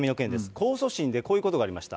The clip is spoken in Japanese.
控訴審で、こういうことがありました。